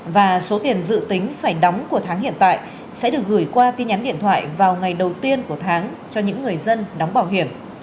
và số tiền dự tính phải đóng của tháng hiện tại sẽ được gửi qua tin nhắn điện thoại vào ngày đầu tiên của tháng cho những người dân đóng bảo hiểm